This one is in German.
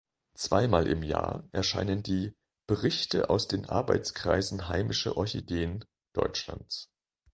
Zweimal im Jahr erscheinen die "Berichte aus den Arbeitskreisen Heimische Orchideen" Deutschlands.